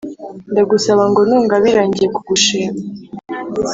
ndagusaba ngo nungabira njye kugushima